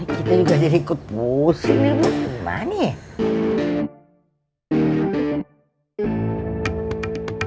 kita juga jadi ikut busur nih bu